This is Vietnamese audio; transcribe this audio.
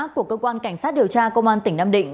của cơ quan cảnh sát điều tra công an tỉnh nam định